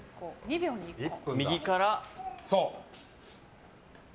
右から。